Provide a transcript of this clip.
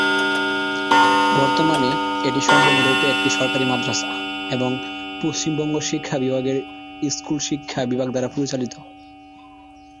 বর্তমানে এটি সম্পূর্ণরূপে সরকারি মাদ্রাসা এবং পশ্চিমবঙ্গ শিক্ষা বিভাগের স্কুল শিক্ষা বিভাগ দ্বারা পরিচালিত।